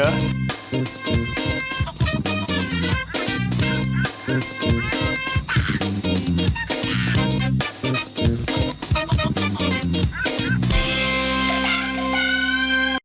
ก็ได้ก็ได้